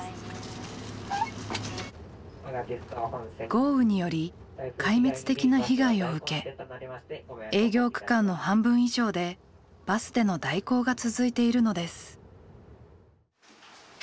豪雨により壊滅的な被害を受け営業区間の半分以上でバスでの代行が続いているのです。